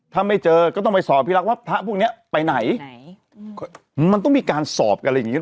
ถ้าไม่เจอก็ต้องไปสอบพิรักษ์ว่าพระพวกเนี้ยไปไหนมันต้องมีการสอบกันอะไรอย่างงี